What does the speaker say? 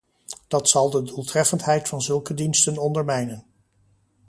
Dat zal de doeltreffendheid van zulke diensten ondermijnen.